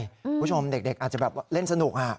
คุณผู้ชมเด็กอาจจะแบบเล่นสนุก